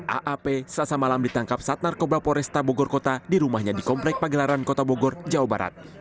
aap selasa malam ditangkap saat narkoba poresta bogor kota di rumahnya di komplek pagelaran kota bogor jawa barat